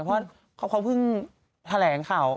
เพราะเขาเพิ่งแถลงข่าว